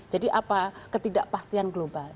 jadi apa ketidakpastian global